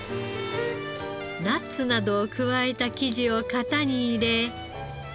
ナッツなどを加えた生地を型に入れ凍らせます。